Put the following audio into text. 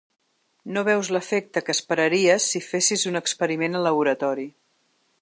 No veus l’efecte que esperaries si fessis un experiment al laboratori.